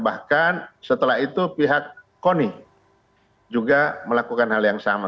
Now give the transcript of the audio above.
bahkan setelah itu pihak koni juga melakukan hal yang sama